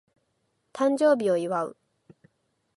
誕生日を祝う